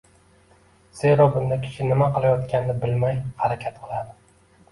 Zero bunda kishi nima qilayotganini bilmay harakat qiladi.